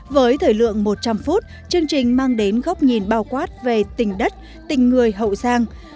với thời lượng một trăm linh phút chương trình mang đến góc nhìn bao quát về tình đất tình người hậu giang